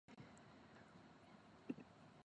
我都係差唔多，同埋睇嗌我嗰個係咩關係